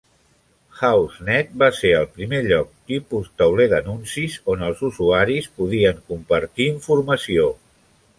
HouseNet va ser el primer lloc tipus tauler d'anuncis on els usuaris podien compartir informació.